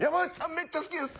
めっちゃ好きです。